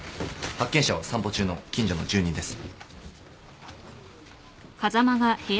発見者は散歩中の近所の住人です。